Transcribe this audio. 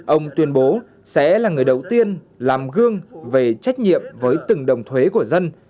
ông tuyên bố sẽ là người đầu tiên làm gương về trách nhiệm với từng đồng thuế của dân